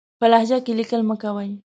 په لهجه کې ليکل مه کوئ!